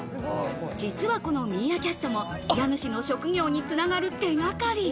実はこのミーアキャットが家主の職業につながる手掛かり。